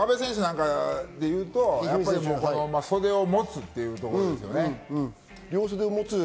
一二三選手でいうと袖を持つというところですね。